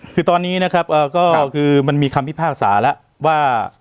คือตอนนี้นะครับก็คือมันมีคำพิพากษาแล้วว่า